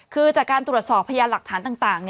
คือจากการตรวจสอบพยานหลักฐานต่าง